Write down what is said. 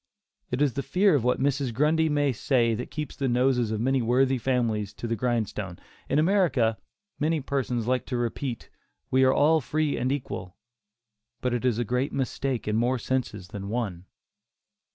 It is the fear of what Mrs. Grundy may say that keeps the noses of many worthy families to the grindstone. In America many persons like to repeat "we are all free and equal," but it is a great mistake in more senses than one.